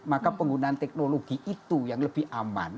maka penggunaan teknologi itu yang lebih aman